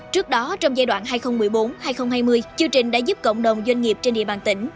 trước đó trong giai đoạn hai nghìn một mươi bốn hai nghìn hai mươi chương trình đã giúp cộng đồng doanh nghiệp trên địa bàn tỉnh